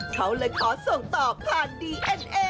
เขาเลยขอส่งต่อผ่านดีเอ็นเอ